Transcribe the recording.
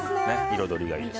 彩りがいいですね。